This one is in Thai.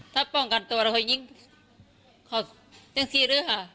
ถ้าป้องกันตัวเราก็ยิงเขาอย่างซี่เลยค่ะ